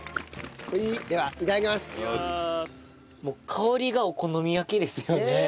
もう香りがお好み焼きですよね。